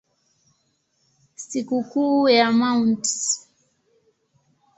Sikukuu ya Mt.